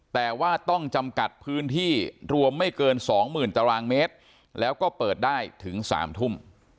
แต่ว่าต้องจำกัดพื้นที่รวมไม่เกิน๒๐๐๐ตารางเมตรแล้วก็เปิดได้ถึง๓ทุ่ม